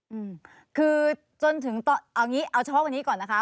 อืมคือจนถึงตอนเอางี้เอาเฉพาะวันนี้ก่อนนะคะ